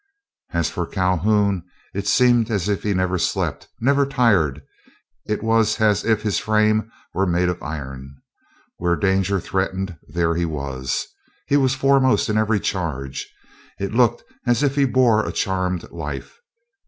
As for Calhoun, it seemed as if he never slept, never tired. It was as if his frame were made of iron. Where danger threatened there he was. He was foremost in every charge. It looked as if he bore a charmed life.